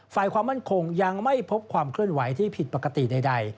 ฝ่ายความมั่นคงยังไม่พบความเคลื่อนไหวที่ผิดปกติใด